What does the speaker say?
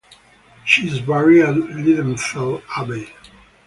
She is buried at Lilienfeld Abbey.